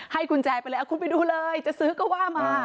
กุญแจไปเลยคุณไปดูเลยจะซื้อก็ว่ามา